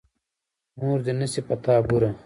مور دې نه شي پر تا بورې.